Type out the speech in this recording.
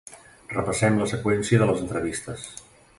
Repassem la seqüència de les entrevistes.